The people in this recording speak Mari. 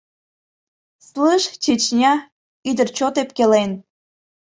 Слышь, Чечня, ӱдыр чот ӧпкелен.